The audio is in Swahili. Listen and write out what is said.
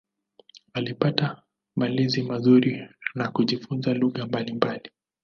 Alipata malezi mazuri na kujifunza lugha mbalimbali.